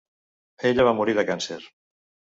Ella va morir de càncer.